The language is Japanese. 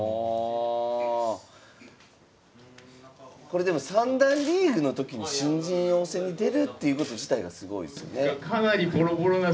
これでも三段リーグの時に新人王戦に出るっていうこと自体がすごいですよね。